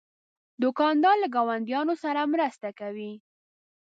دوکاندار له ګاونډیانو سره مرسته کوي.